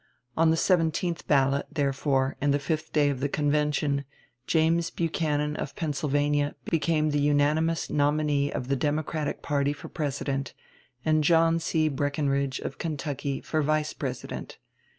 On the seventeenth ballot, therefore, and the fifth day of the convention, James Buchanan, of Pennsylvania, became the unanimous nominee of the Democratic party for President, and John C. Breckinridge, of Kentucky, for Vice President.